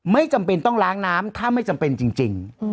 ไม่จำเป็นต้องล้างน้ำถ้าไม่จำเป็นจริง